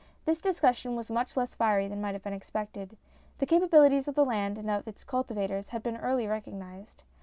This discussion was much less fiery than might have been expected. The capabilities of the land and of its cultivators had been early recognized.